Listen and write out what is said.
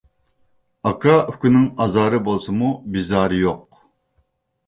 ئاكا-ئۇكىنىڭ ئازارى بولسىمۇ، بىزارى يوق.